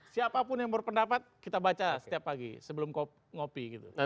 siapapun yang berpendapat kita baca setiap pagi sebelum ngopi gitu